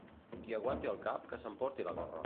Qui aguanti el cap que s'emporti la gorra.